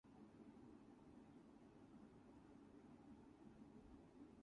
Amazingly, says Bittner, it all flows quite well.